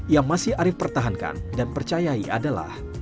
yang masih arief pertahankan dan percayai adalah